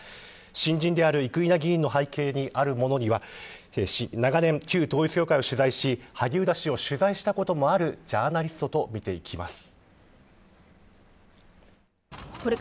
新人である生稲議員の背景にあるものには長年、旧統一教会を取材し萩生田氏を取材したこともあるジャーナリストと見ていきます。